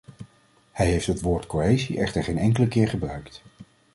Hij heeft het woord cohesie echter geen enkele keer gebruikt.